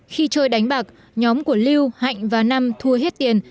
khi chơi đánh bạc nhóm của lưu hạnh và năm thua hết tiền